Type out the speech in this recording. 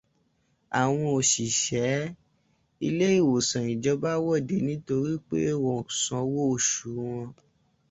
Àwọn òṣìṣẹ́ iléèwòsàn ìjọba wọ́de nítorí pé wọn ò san owó oṣù wọn.